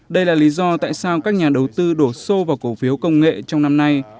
đây là lý do tại sao các nhà đầu tư đổ xô vào cổ phiếu công nghệ trong năm nay